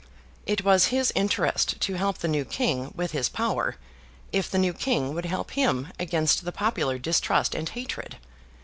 It was his interest to help the new King with his power, if the new King would help him against the popular distrust and hatred.